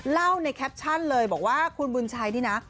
เล่าในแคปชั่นเลยบอกว่าคุณบุญชัยนี่นะ